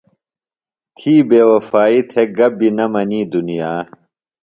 تھی بے وفائی تھےۡ گہ بیۡ نہ منی دُنیا۔